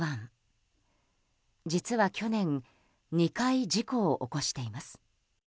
実は、去年２回事故を起こしています。